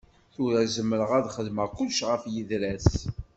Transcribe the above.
Tura zemreɣ ad xedmeɣ kullec ɣef yidra-s.